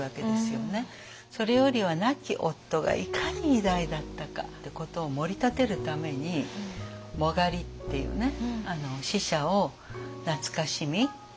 それよりは亡き夫がいかに偉大だったかってことをもり立てるために殯っていうね死者を懐かしみ魂の復活を祈る。